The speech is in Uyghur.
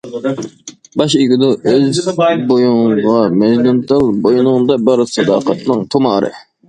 باش ئىگىدۇ ئۇز بويۇڭغا مەجنۇنتال، بوينۇڭدا بار ساداقەتنىڭ تۇمارى.